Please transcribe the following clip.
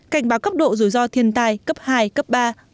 cảnh báo cấp độ rủi ro thiên tai cấp hai cấp ba